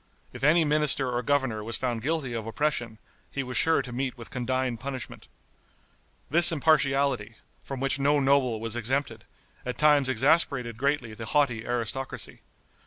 If any minister or governor was found guilty of oppression, he was sure to meet with condign punishment. This impartiality, from which no noble was exempted, at times exasperated greatly the haughty aristocracy.